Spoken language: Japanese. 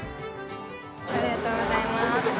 ありがとうございます。